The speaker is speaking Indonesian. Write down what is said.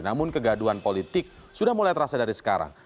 namun kegaduan politik sudah mulai terasa dari sekarang